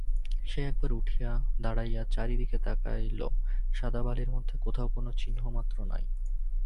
সে একবার উঠিয়া দাঁড়াইয়া চারি দিকে তাকাইল–সাদা বালির মধ্যে কোথাও কোনো চিহ্নমাত্র নাই।